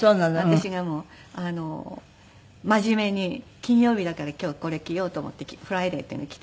私がもう真面目に金曜日だから今日これ着ようと思って「Ｆｒｉｄａｙ」というのを着て。